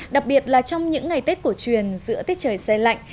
đặc biệt là trong những ngày tết của truyền giữa tết trời xe lạnh